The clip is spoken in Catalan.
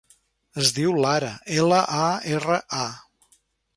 Es diu Lara: ela, a, erra, a.